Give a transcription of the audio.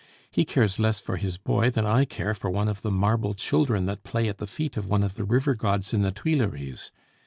He cares less for his boy than I care for one of the marble children that play at the feet of one of the river gods in the Tuileries.